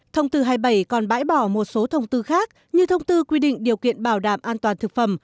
thông tư hai mươi bảy còn bãi bỏ một số thông tư khác như thông tư quy định điều kiện bảo đảm an toàn thực phẩm